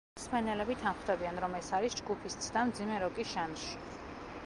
მსმენელები თანხმდებიან, რომ ეს არის ჯგუფის ცდა მძიმე როკის ჟანრში.